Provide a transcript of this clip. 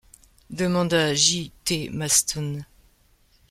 demanda J. -T. Maston.